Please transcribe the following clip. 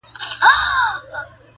په اور کي سوځي-